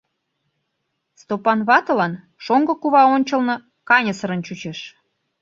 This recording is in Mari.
Стопан ватылан шоҥго кува ончылно каньысырын чучеш.